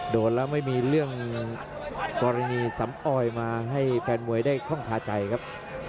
โดนแล้วไม่มีเรื่องกรณีสำออยมาให้แฟนมวยได้ท่องคาใจครับ